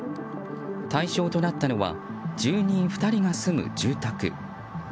対象となったのは住人２人が住む住宅。